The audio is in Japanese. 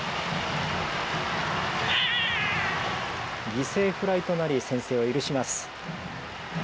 犠牲フライとなり先制を許します。